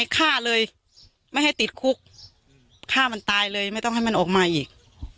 ฆ่าเลยไม่ให้ติดคุกฆ่ามันตายเลยไม่ต้องให้มันออกมาอีก